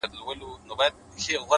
په سترغلو مې خدای زده څه ټکه راپرېوتله